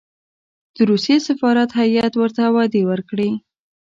د روسیې سفارت هېئت ورته وعدې ورکړې.